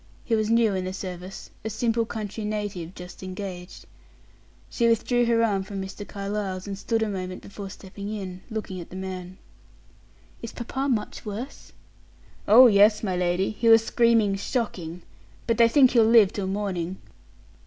He was new in the service, a simple country native, just engaged. She withdrew her arm from Mr. Carlyle's, and stood a moment before stepping in, looking at the man. "Is papa much worse?" "Oh, yes, my lady; he was screaming shocking. But they think he'll live till morning."